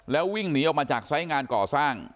แล้ววิ่งหนีออกมาจากไซส์งานก่อสร้าง